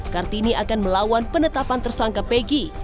kartini akan melawan penetapan tersangka pegi